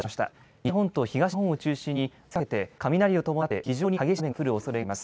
西日本と東日本を中心にあすにかけて雷を伴って非常に激しい雨が降るおそれがあります。